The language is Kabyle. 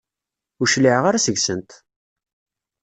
Ur cliɛeɣ ara seg-sent!